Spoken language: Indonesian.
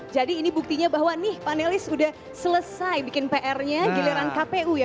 jadi ini buktinya bahwa nih panelis sudah selesai bikin prnya giliran kpu ya